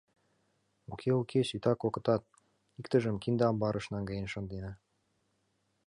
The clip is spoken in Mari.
— Уке, уке, сита кокытат: иктыжым кинде амбарыш наҥгаен шындена.